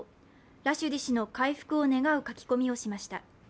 ラシュディ氏の回復を願う書き込みをしました。